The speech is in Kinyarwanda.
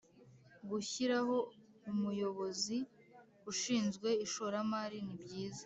gushyiraho Umuyobozi Ushinzwe ishoramari nibyiza